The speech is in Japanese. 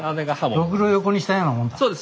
ろくろを横にしたようなもんだ。